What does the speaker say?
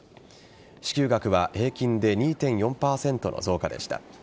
支給額は平均で２．４％の増加でした。